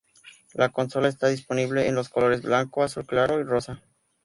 La consola está disponible en los colores blanco, azul claro y rosa.